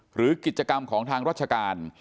หรือกิจกรรมของทางราชการ